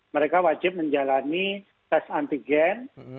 mereka wajib menjalani tes antigen